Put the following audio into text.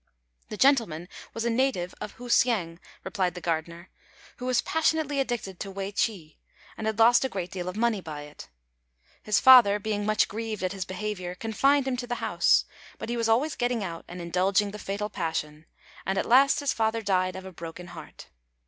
"The gentleman was a native of Hu hsiang," replied the gardener, "who was passionately addicted to wei ch'i, and had lost a great deal of money by it. His father, being much grieved at his behaviour, confined him to the house; but he was always getting out, and indulging the fatal passion, and at last his father died of a broken heart.